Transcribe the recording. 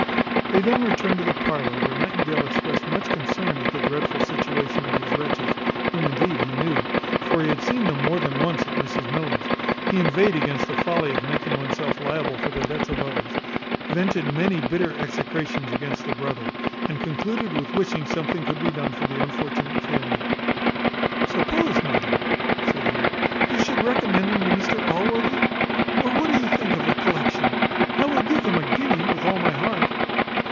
They then returned to the parlour, where Nightingale expressed much concern at the dreadful situation of these wretches, whom indeed he knew; for he had seen them more than once at Mrs Miller's. He inveighed against the folly of making oneself liable for the debts of others; vented many bitter execrations against the brother; and concluded with wishing something could be done for the unfortunate family. "Suppose, madam," said he, "you should recommend them to Mr Allworthy? Or what think you of a collection? I will give them a guinea with all my heart."